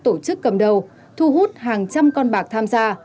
tổ chức cầm đầu thu hút hàng trăm con bạc tham gia